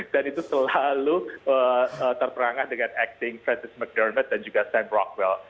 dan itu selalu terperangah dengan acting francis mcdermott dan juga sam rockwell